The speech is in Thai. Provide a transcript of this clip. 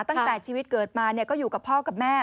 ตั้งแต่ชีวิตเกิดมาก็อยู่กับพ่อกับแม่